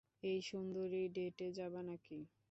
এই সুন্দরী, ডেটে যাবা নাকি?